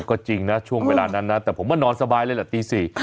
ก็จริงนะช่วงเวลานั้นนะแต่ผมว่านอนสบายเลยแหละตี๔